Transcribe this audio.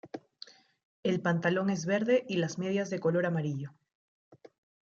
El pantalón es verde y las medias de color amarillo.